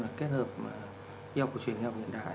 là kết hợp y học cổ truyền y học viện đại